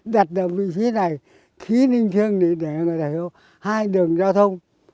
đặt vào vị trí này khí ninh chương để mà thể hiểu hai đường giao thông